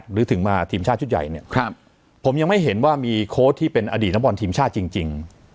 หรือถึงมาทีมชาติชุดใหญ่เนี่ยผมยังไม่เห็นว่ามีโค้ชที่เป็นอดีตนักบอลทีมชาติจริง